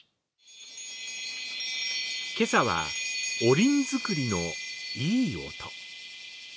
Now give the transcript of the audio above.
今朝はおりん作りのいい音。